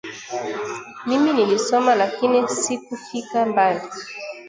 Mimi nilisoma lakini sikufika mbali